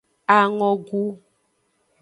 Angogu.